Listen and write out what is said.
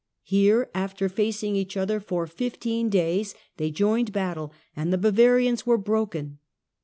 Here, after facing each other for fifteen days, they joined battle, and the Bavarians were broken.